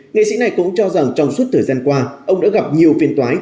nghệ sĩ này cũng cho rằng trong suốt thời gian qua ông đã gặp nhiều phiên tòa